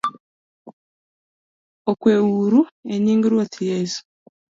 Okweuru enying Ruoth Yesu